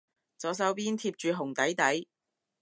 左手邊貼住紅底底